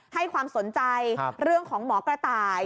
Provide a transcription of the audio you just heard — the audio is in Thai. ให้ความสนใจเรื่องของหมอกระต่าย